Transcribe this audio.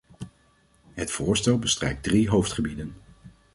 Het voorstel bestrijkt drie hoofdgebieden.